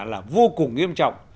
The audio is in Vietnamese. là vô cùng nghiêm trọng